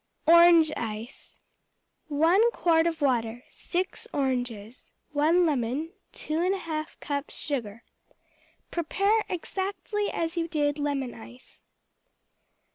Orange Ice 1 quart of water. 6 oranges. 1 lemon. 2 1/2 cups sugar. Prepare exactly as you did lemon ice.